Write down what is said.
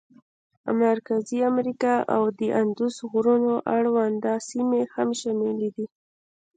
مرکزي امریکا او د اندوس غرونو اړونده سیمې هم شاملې دي.